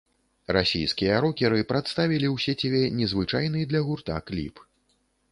Расійскія рокеры прадставілі ў сеціве незвычайны для гурта кліп.